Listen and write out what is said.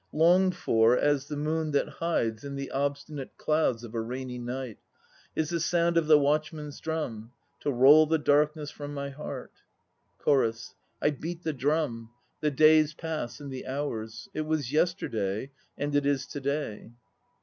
Longed for as the moon that hides In the obstinate clouds of a rainy night Is the sound of the watchman's drum, To roll the darkness from my heart. CHORUS. I beat the drum. The days pass and the hours. It was yesterday, and it is to day.